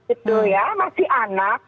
itu ya masih anak